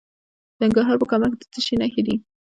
د ننګرهار په کامه کې د څه شي نښې دي؟